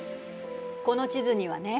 この地図にはね